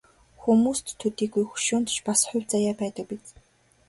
Хүмүүст төдийгүй хөшөөнд ч бас хувь заяа байдаг биз.